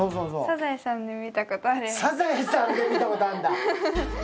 「サザエさん」で見たことあんだ